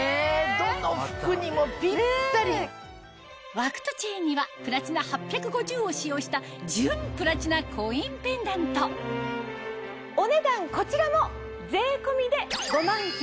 枠とチェーンにはプラチナ８５０を使用した純プラチナコインペンダントお値段こちらも。